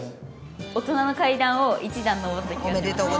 大人の階段を一段上った気がします。